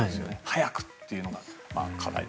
早くというのが課題。